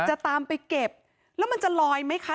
จะตามไปเก็บแล้วมันจะลอยไหมคะ